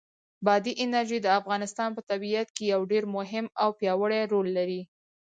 بادي انرژي د افغانستان په طبیعت کې یو ډېر مهم او پیاوړی رول لري.